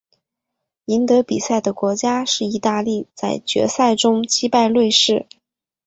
赢得比赛的国家是意大利在决赛中击败瑞士。